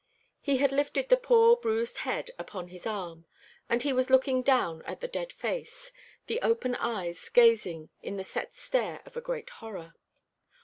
He had lifted the poor bruised head upon his arm, and he was looking down at the dead face, the open eyes gazing in the set stare of a great horror.